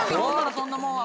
そんなもんは。